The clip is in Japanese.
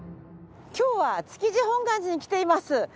今日は築地本願寺に来ています。